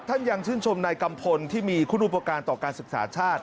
ยังชื่นชมนายกัมพลที่มีคุณอุปการณ์ต่อการศึกษาชาติ